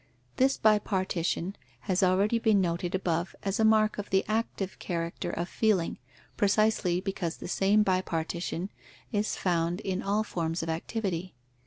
This bipartition has already been noted above, as a mark of the active character of feeling, precisely because the same bipartition is found in all forms of activity.